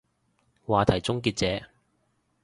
話題終結者